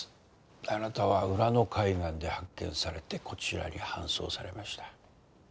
あなたは浦野海岸で発見されてこちらに搬送されました。